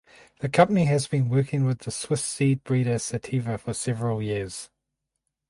The company has been working with the Swiss seed breeder Sativa for several years.